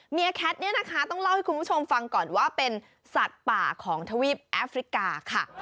แคทเนี่ยนะคะต้องเล่าให้คุณผู้ชมฟังก่อนว่าเป็นสัตว์ป่าของทวีปแอฟริกาค่ะ